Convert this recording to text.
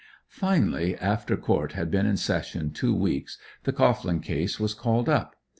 Finally, after court had been in session two weeks the Cohglin case was called up.